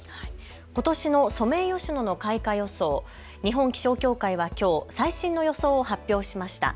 ことしのソメイヨシノの開花予想、日本気象協会はきょう最新の予想を発表しました。